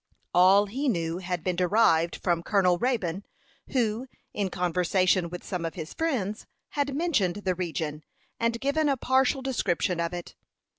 All he knew had been derived from Colonel Raybone, who, in conversation with some of his friends, had mentioned the region, and given a partial description of it.